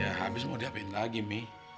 ya habis mau diapain lagi mi